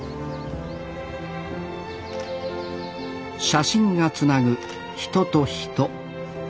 写真がつなぐ人と人。